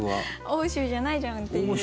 欧州じゃないじゃんっていう。